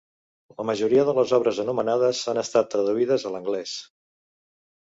La majoria de les obres anomenades han estat traduïdes a l'anglès.